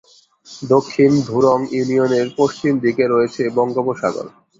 দক্ষিণ ধুরুং ইউনিয়নের পশ্চিম দিকে রয়েছে বঙ্গোপসাগর।